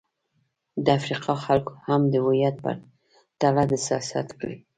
د افریقا خلکو هم د هویت پر تله د سیاست کړې.